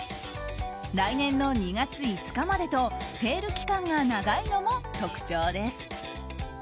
来年の２月５日までとセール期間が長いのも特徴です。